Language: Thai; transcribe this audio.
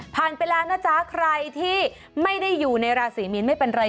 ไปแล้วนะจ๊ะใครที่ไม่ได้อยู่ในราศีมีนไม่เป็นไร